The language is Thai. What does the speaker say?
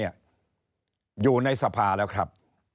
อยู่ในสภาแล้วครับ